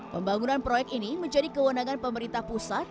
pembangunan proyek ini menjadi kewenangan pemerintah pusat